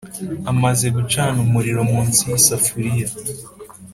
amaze gucana umuriro munsi y'isafuriya.